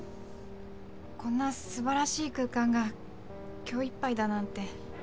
こんな素晴らしい空間が今日いっぱいだなんて。